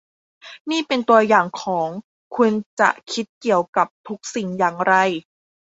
นี่เป็นตัวอย่างของ คุณจะคิดเกี่ยวกับทุกสิ่งอย่างไร